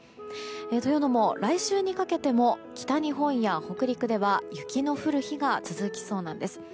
というのも、来週にかけても北日本や北陸では雪の降る日が続きそうなんです。